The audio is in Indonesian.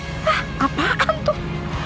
hah apaan tuh